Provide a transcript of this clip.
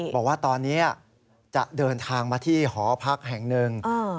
บอกว่าตอนนี้จะเดินทางมาที่หอพักแห่งหนึ่ง